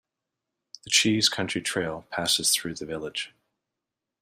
The Cheese Country Trail passes through the village.